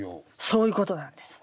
そういうことなんです。